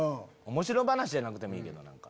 おもしろ話じゃなくてもいいけど。